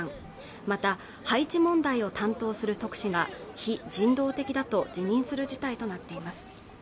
また、配置問題を担当する特使が非人道的だと自認する事態となっています